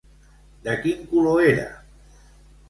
De quin color era?